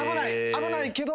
危ないけど。